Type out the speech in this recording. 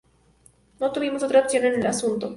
No tuvimos otra opción en el asunto.